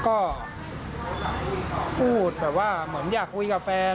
ก็พูดแบบว่าเหมือนอยากคุยกับแฟน